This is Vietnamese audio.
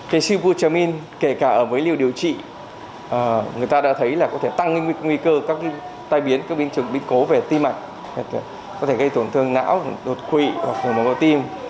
cây siu bù trà minh kể cả ở với liều điều trị người ta đã thấy là có thể tăng nguy cơ các tai biến các biến trực biến cố về tim mạch có thể gây tổn thương não đột quỵ khổ mỏng của tim